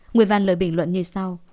người văn lời bình luận như sau